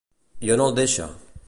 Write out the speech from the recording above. I on el deixa?